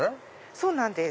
そうなんです。